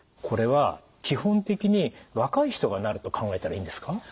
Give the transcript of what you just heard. これは基本的に若い人がなると考えたらいいんですか？